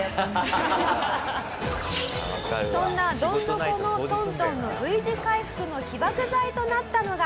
そんなどん底の東東のＶ字回復の起爆剤となったのが。